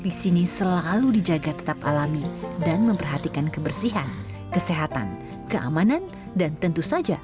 di sini selalu dijaga tetap alami dan memperhatikan kebersihan kesehatan keamanan dan tentu saja